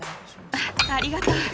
ありがとう。